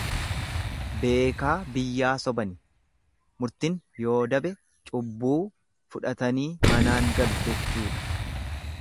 Beekaa biyyaa sobani murtin yoo dabe cubbuu fudhatanii manaan galu jechuudha.